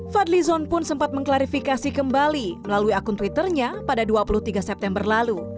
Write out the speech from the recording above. fadli zon pun sempat mengklarifikasi kembali melalui akun twitternya pada dua puluh tiga september lalu